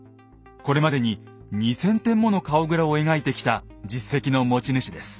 これまでに２，０００点もの顔グラを描いてきた実績の持ち主です。